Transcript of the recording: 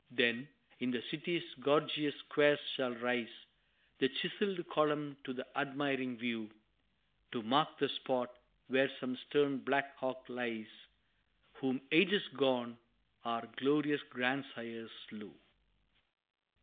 Then, in the city's gorgeous squares shall rise The chiselled column to the admiring view To mark the spot where some stern Black Hawk lies, Whom ages gone, our glorious grandsires slew!